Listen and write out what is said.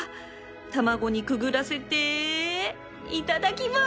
卵にくぐらせていただきまーす